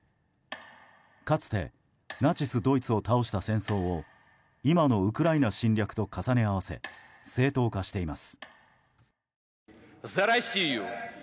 かつてナチスドイツを倒した戦争を今のウクライナ侵略と重ね合わせ正当化しています。